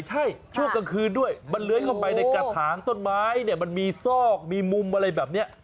ใช่ช่วงกลางคืนด้วยมันเลื้อยเข้าไปในกระถางต้นไม้เนี่ยมันมีซอกมีมุมอะไรแบบนี้